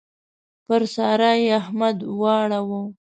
پر سارا يې احمد واړاوو.